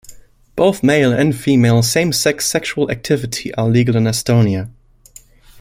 Both male and female same-sex sexual activity are legal in Estonia.